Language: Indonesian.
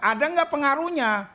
ada nggak pengaruhnya